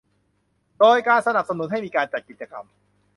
โดยการสนับสนุนให้มีการจัดกิจกรรม